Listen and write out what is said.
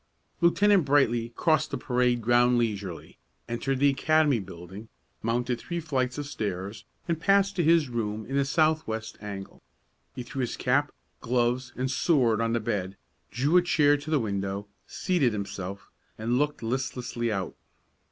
Lieutenant Brightly crossed the parade ground leisurely, entered the academy building, mounted three flights of stairs, and passed to his room in the southwest angle. He threw his cap, gloves, and sword on the bed, drew a chair to the window, seated himself, and looked listlessly out.